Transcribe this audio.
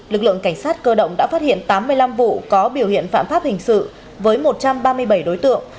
lực lượng cảnh sát cơ động đã phát hiện tám mươi năm vụ có biểu hiện phạm pháp hình sự với một trăm ba mươi bảy đối tượng